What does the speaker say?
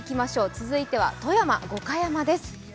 続いては富山、五箇山です。